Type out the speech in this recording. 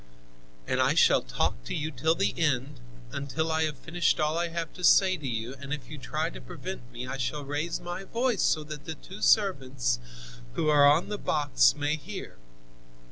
"And I shall talk to you till the end, until I have finished all I have to say to you, and if you try to prevent me, I shall raise my voice so that the two servants, who are on the box, may hear.